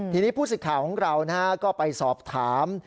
ทีนี้ผู้สิทธิ์ข่าวของเราก็ไปสอบถาม